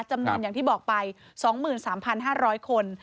จำนวนอย่างที่บอกไป๒๓๕๐๐คน